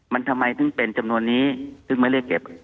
มันทำไมถึงเป็นจำนวนนี้ซึ่งไม่ได้เก็บ